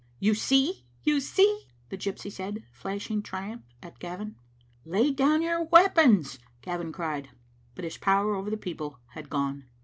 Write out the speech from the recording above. "You see, you see," the gyipsy said, flashing triumph at Gavin. "Lay down your weapons," Gavin cried, but his power over the people had gone.